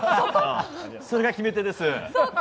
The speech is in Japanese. それが決め手です。